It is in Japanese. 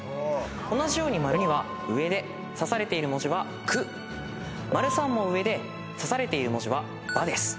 同じように②は上でさされている文字は「く」③も上でさされている文字は「ば」です。